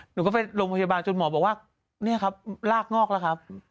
หนูก็ไปโรงพยาบาลจนหมอบอกว่าเนี่ยครับลากงอกแล้วครับ